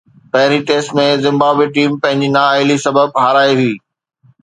پهرين test ۾ Zimbabwe team پنهنجي نااهلي سبب هارائي هئي